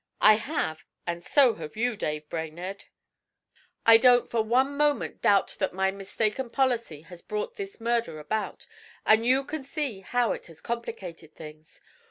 'I have, and so have you, Dave Brainerd. I don't for one moment doubt that my mistaken policy has brought this murder about, and you can see how it has complicated things.